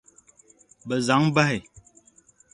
Bɛ zaŋ bahi.